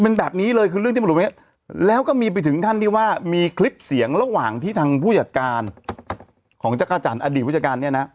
เป็นแบบนี้เลยคือเรื่องที่มันหลุดไว้แล้วก็มีไปถึงขั้นที่ว่ามีคลิปเสียงระหว่างที่ทางผู้จัดการของจักรจันทร์อดีตผู้จัดการเนี่ยนะ